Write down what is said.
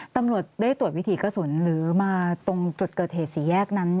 ตำรวจได้ตรวจวิถีกระสุนหรือมาตรงจุดเกิดเหตุสี่แยกนั้น